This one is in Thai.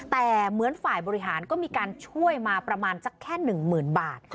แต่เหมือนฝ่ายบริหารก็มีการช่วยมาประมาณสักแค่๑๐๐๐บาท